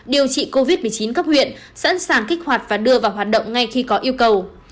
điều trị covid một mươi chín cấp huyện sẵn sàng kích hoạt và đưa vào hoạt động ngay khi có yêu cầu